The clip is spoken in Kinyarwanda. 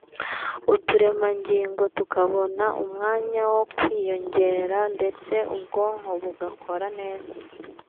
uturemangingo tukabona umwanya wo kwiyongera ndetse ubwonko bugakora neza